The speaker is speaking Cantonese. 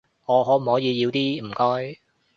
我可唔可以要啲，唔該？